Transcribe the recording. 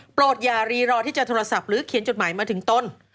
อย่ารีรอที่จะโทรศัพท์หรือเขียนจดหมายมาถึงตน